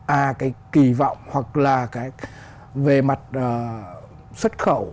à cái kỳ vọng hoặc là cái về mặt xuất khẩu